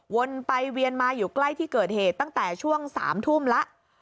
วนไปเวียนมาอยู่ใกล้ที่เกิดเหตุตั้งแต่ช่วง๓ทุ่มแล้ว